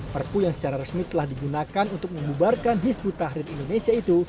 perpu yang secara resmi telah digunakan untuk membubarkan hizbut tahrir indonesia itu